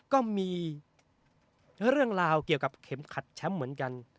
ก็มีเรื่องราวเกี่ยวกับเข็มขัดแชมป์เหมือนกัน